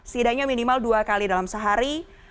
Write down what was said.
setidaknya minimal dua kali dalam sehari